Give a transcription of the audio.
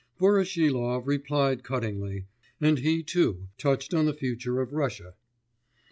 Voroshilov replied cuttingly, and he too touched on the future of Russia.